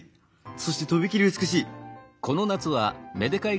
そしてとびきり美しい」。